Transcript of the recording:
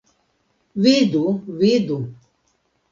Vidu, vidu!